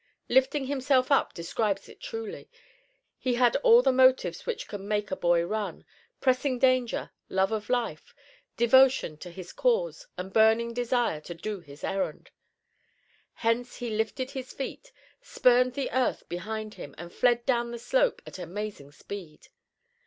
Lifting himself up describes it truly. He had all the motives which can make a boy run, pressing danger, love of life, devotion to his cause, and a burning desire to do his errand. Hence he lifted his feet, spurned the earth behind him and fled down the slope at amazing speed.